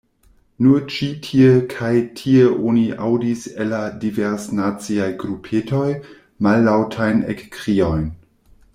Nur ĉi tie kaj tie oni aŭdis el la diversnaciaj grupetoj mallaŭtajn ekkriojn: